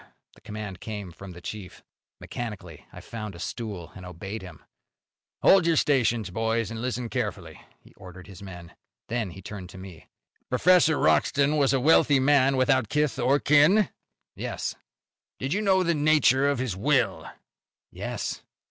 The command came from the chief. Mechanically I found a stool, and obeyed him. "Hold your stations, boys, and listen carefully," he ordered his men. Then he turned to me. "Professor Wroxton was a wealthy man without kith or kin?" "Yes." "Do you know the nature of his will?" "Yes."